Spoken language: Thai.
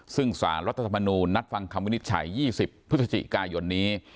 ซึ่งสารรัฐสมนนูนัดฟังคำวินิจฉัย๒๐พฤษฎีลการณ์นี้